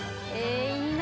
「いいな。